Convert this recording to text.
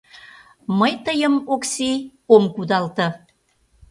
— Мый тыйым, Окси, ом кудалте...